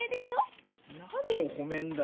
何を褒めんだよ。